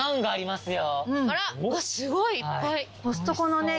すごいいっぱい！